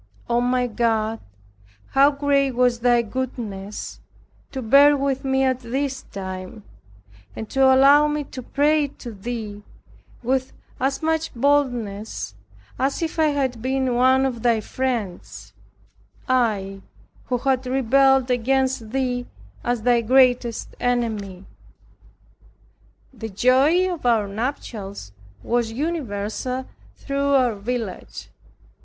Oh, my God, how great was thy goodness, to bear with me at this time, and to allow me to pray to Thee with as much boldness, as if I had been one of thy friends, I who had rebelled against Thee as thy greatest enemy. The joy of our nuptials was universal through our village.